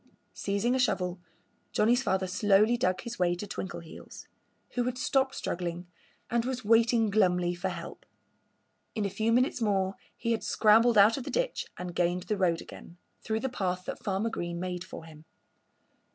Seizing a shovel, Johnnie's father slowly dug his way to Twinkleheels, who had stopped struggling and was waiting glumly for help. In a few minutes more he had scrambled out of the ditch and gained the road again, through the path that Farmer Green made for him.